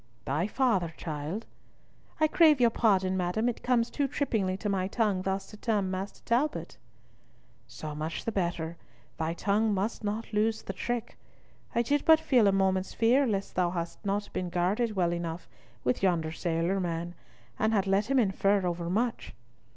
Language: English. "Thy father, child?" "I crave your pardon, madam, it comes too trippingly to my tongue thus to term Master Talbot." "So much the better. Thy tongue must not lose the trick. I did but feel a moment's fear lest thou hadst not been guarded enough with yonder sailor man, and had let him infer over much."